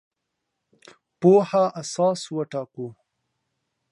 پوهه اساس نه وټاکو.